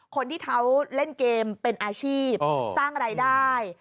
คนที่เขาเล่นเกมเป็นอาชีพสร้างรายได้